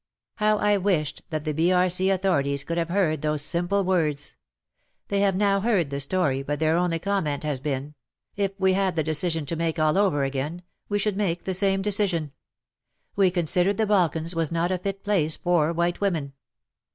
How I wished that the B.R.C. authorities could have heard those simple words. They have now heard the story, but their only com ment has been :" If we had the decision to make all over again, we should make the same decision. We considered the Balkans was not a fit place for white women."